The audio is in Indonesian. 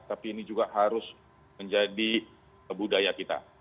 tapi ini juga harus menjadi budaya kita